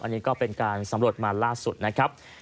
อันนี้ก็เป็นการสำรวจมาล่าสุดนะครับ